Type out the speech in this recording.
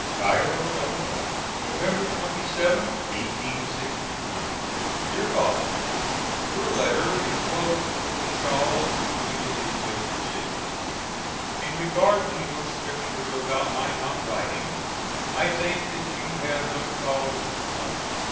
] Cairo, Illinois, November 27th, 1861. DEAR FATHER: Your letter enclosed with a shawl to Julia is just received. In regard to your stricture about my not writing I think that you have no cause of complaint.